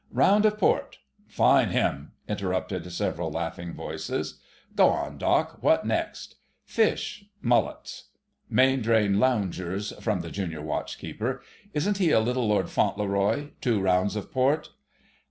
"Round of port—fine him!" interrupted several laughing voices. "Go on, Doc.; what next?" "Fish: 'Mullets.'" "Main drain loungers," from the Junior Watch keeper. "Isn't he a little Lord Fauntleroy—two rounds of port!"